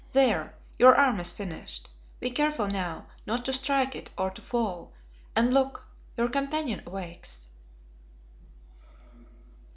There, your arm is finished. Be careful now not to strike it or to fall, and look, your companion awakes."